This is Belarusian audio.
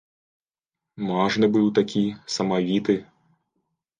Мажны быў такі, самавіты.